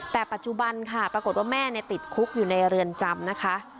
แต่ปัจจุบันค่ะปรากฏว่าแม่ติดคุกอยู่ในเรือนจำนะคะ